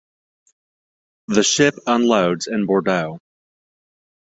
The ship unloads in Bordeaux.